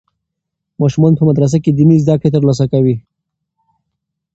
ماشومان په مدرسه کې دیني زده کړې ترلاسه کوي.